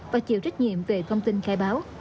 và chịu trách nhiệm về thông tin khai báo